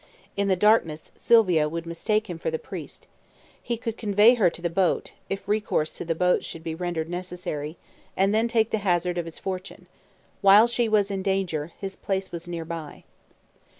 In the darkness, Sylvia would mistake him for the priest. He could convey her to the boat if recourse to the boats should be rendered necessary and then take the hazard of his fortune. While she was in danger, his place was near by.